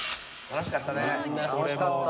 楽しかった。